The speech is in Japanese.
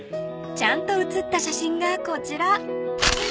［ちゃんと写った写真がこちら］